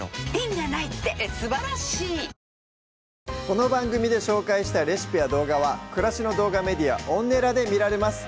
この番組で紹介したレシピや動画は暮らしの動画メディアＯｎｎｅｌａで見られます